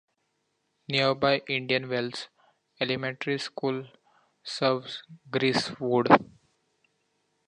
Nearby Indian Wells Elementary School serves Greasewood.